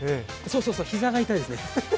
そうそうそう、膝が痛いですね。